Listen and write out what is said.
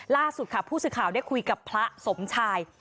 ล่าสุดค่ะผู้สื่อข่าวได้คุยกับพระสมชาย